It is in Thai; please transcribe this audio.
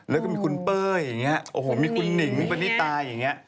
แล้วก็มีคุณเป้ยอย่างนี้โอ้โหมีคุณหนิงปณิตาอย่างนี้